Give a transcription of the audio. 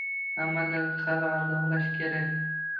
Amallariga qarab ardoqlash kerak.